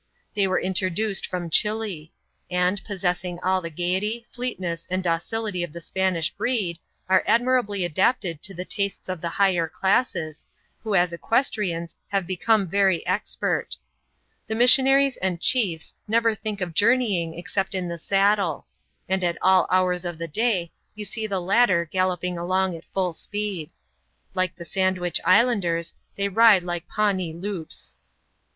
They were introduced from Chili ; and, possessing all the gaiety, fleetness, and docility of the Spanish breed, are admirably adapted to the tastes of the higher classes, who as equestrians have become very expert. The missionaries and chiefs never think of journeying except in the saddle ; and at all hours of the day you see the latter galloping along at full speed. Like the Sandwich Islanders, they ride like Pawnee Loups.